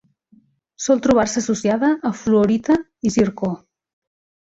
Sol trobar-se associada a fluorita i zircó.